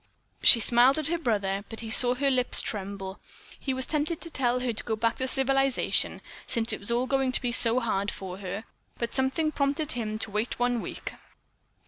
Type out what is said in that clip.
She smiled at her brother, but he saw her lips tremble. He was tempted to tell her to go back to civilization, since it was all going to be so hard for her, but something prompted him to wait one week.